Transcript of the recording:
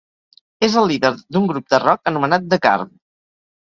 És el líder d'un grup de rock anomenat The Garb.